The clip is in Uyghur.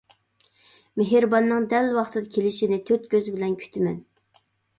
مېھرىباننىڭ دەل ۋاقتىدا كېلىشنى تۆت كۆز بىلەن كۈتىمەن.